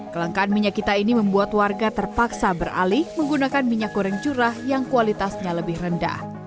kelangkaan minyak kita ini membuat warga terpaksa beralih menggunakan minyak goreng curah yang kualitasnya lebih rendah